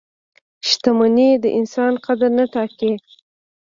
• شتمني د انسان قدر نه ټاکي.